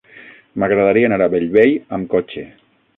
M'agradaria anar a Bellvei amb cotxe.